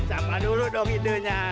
siapa dulu dong idunya